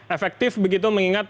efektif begitu mengingat